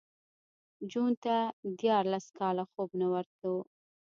جون ته دیارلس کاله خوب نه ورتلو